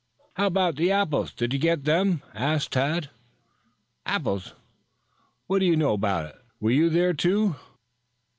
"How about the apples? Did you get them?" asked Tad. "Apples? What do you know 'bout it? Were you there, too?"